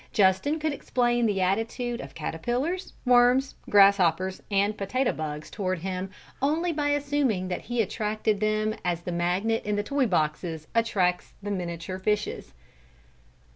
Justin could explain the attitude of caterpillars, worms, grasshoppers, and potato bugs toward him only by assuming that he attracted them as the magnet in the toy boxes attracts the miniature fishes.